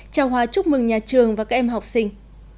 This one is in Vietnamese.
chào hòa chúc mừng nhà trường và các em học sinh